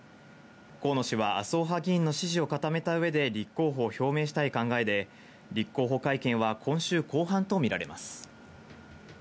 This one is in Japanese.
河野氏は麻生派議員の支持を固めたうえで立候補を表明したい考えで、立候補会見は今週後半と見られます。